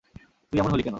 তুই এমন হলি কেন?